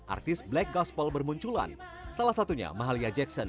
artis black gaspol bermunculan salah satunya mahalia jackson